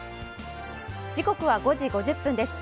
時刻は５時５０分です。